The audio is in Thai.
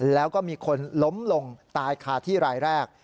แล้วก็มีคนล้มลงตายคาที่รายแรก